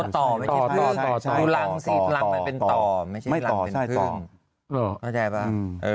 ต่อไม่ใช่พึ่งดูรังสิรังมันเป็นต่อไม่ใช่รังเป็นพึ่ง